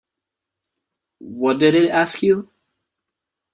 What did it ask you?’